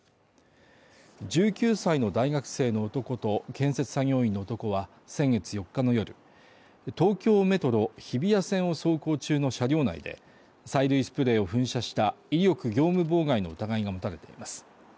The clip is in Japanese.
１９歳の大学生の男と建設作業員の男は、先月４日の夜、東京メトロ日比谷線を走行中の車両内で催涙スプレーを噴射した威力業務妨害の疑いが持たれています。